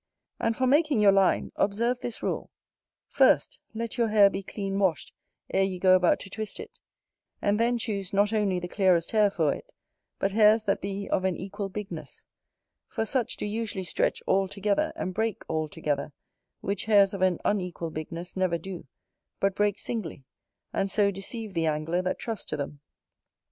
And for making your line, observe this rule: first, let your hair be clean washed ere you go about to twist it; and then choose not only the clearest hair for it, but hairs that be of an equal bigness, for such do usually stretch all together, and break all together, which hairs of an unequal bigness never do, but break singly, and so deceive the angler that trusts to them.